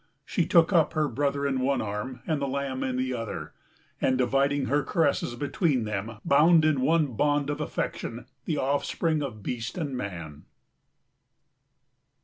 She took up her brother in one arm and the lamb in the other, and dividing her caresses between them bound in one bond of affection the offspring of beast and man.